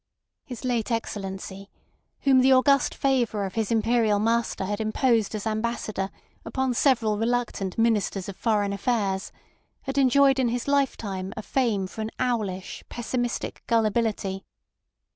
His late Excellency, whom the august favour of his Imperial master had imposed as Ambassador upon several reluctant Ministers of Foreign Affairs, had enjoyed in his lifetime a fame for an owlish, pessimistic gullibility.